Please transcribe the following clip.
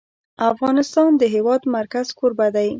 افغانستان د د هېواد مرکز کوربه دی.